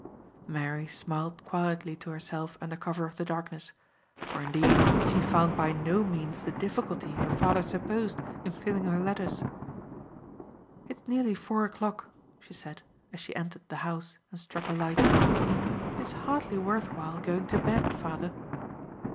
Mary smiled quietly to herself under cover of the darkness, for indeed she found by no means the difficulty her father supposed in filling her letters. "It is nearly four o'clock," she said, as she entered the house and struck a light. "It is hardly worth while going to bed, father."